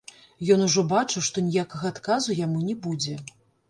Ён ужо бачыў, што ніякага адказу яму не будзе.